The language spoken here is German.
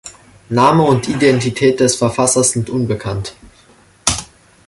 Name und Identität des Verfassers sind unbekannt.